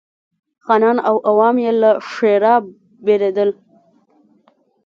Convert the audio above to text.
خانان او عوام یې له ښرا بېرېدل.